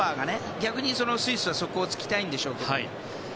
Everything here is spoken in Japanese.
逆にスイスはそこを突きたいんでしょうけど。